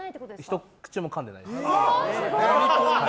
ひと口もかんでないです。